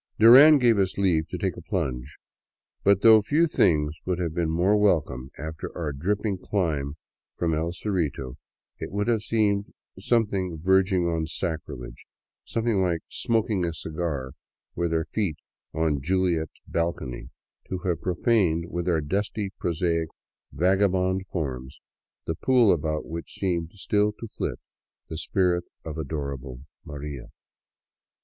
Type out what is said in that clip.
Duran gave us leave to take a plunge. But though few things would have been more welcome after our dripping climb from El Cerrito, it would have seemed something verging on sacrilege, something like smoking a cigar with our feet on Juliet's bal cony, to have profaned with our dusty, prosaic, vagabond forms the pool about which seemed still to flit the spirit of adorable " Maria."